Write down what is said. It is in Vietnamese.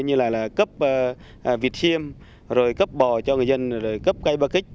như là cấp vịt xiêm rồi cấp bò cho người dân rồi cấp cây bo kích